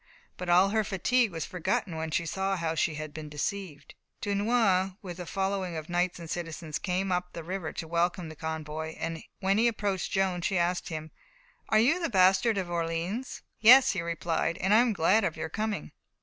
But all her fatigue was forgotten when she saw how she had been deceived. Dunois, with a following of knights and citizens, came up the river to welcome the convoy. When he approached Joan, she asked him: "Are you the bastard of Orleans?" "Yes," he replied, "and I am glad of your coming."